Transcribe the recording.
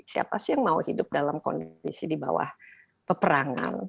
siapa sih yang mau hidup dalam kondisi di bawah peperangan